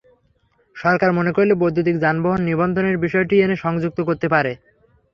সরকার মনে করলে বৈদ্যুতিক যানবাহন নিবন্ধনের বিষয়টি এতে সংযুক্ত করতে পারে।